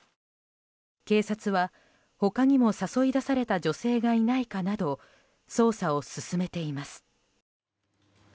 警察は他にも誘い出された女性がいないかなど捜査を進めています。